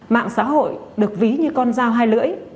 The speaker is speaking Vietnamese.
mạng xã hội được ví như con dao hai lưỡi